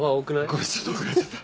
ごめんちょっと多くなっちゃった。